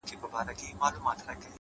o بيا دي ستني ډيري باندي ښخي کړې؛